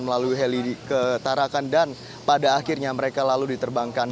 melalui heli ke tarakan dan pada akhirnya mereka lalu diterbangkan